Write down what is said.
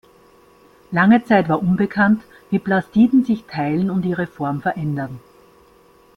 Lange Zeit war unbekannt, wie Plastiden sich teilen und ihre Form verändern.